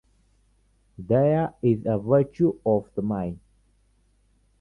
Daya is a virtue of the mind.